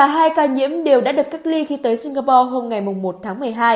hai ca nhiễm đều đã được cách ly khi tới singapore hôm ngày một tháng một mươi hai